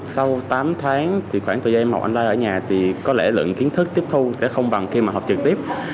sau tám tháng thì khoảng thời gian em học online ở nhà thì có lẽ lượng kiến thức tiếp thu sẽ không bằng khi mà học trực tiếp